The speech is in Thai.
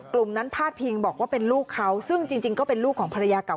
กลุ่มนั้นพาดพิงบอกว่าเป็นลูกเขาซึ่งจริงก็เป็นลูกของภรรยาเก่า